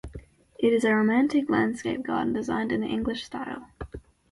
It is a romantic landscape garden designed in the English style.